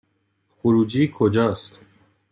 خروجی کجاست؟